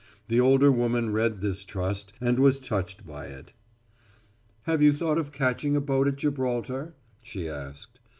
The older woman read this trust, and was touched by it. "Have you thought of catching a boat at Gibraltar?" she asked.